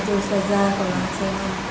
jadi saya juga